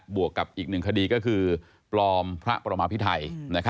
วกกับอีกหนึ่งคดีก็คือปลอมพระประมาพิไทย